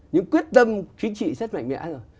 những quyết tâm chính trị rất mạnh mẽ rồi